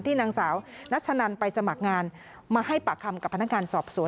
นางสาวนัชนันไปสมัครงานมาให้ปากคำกับพนักงานสอบสวน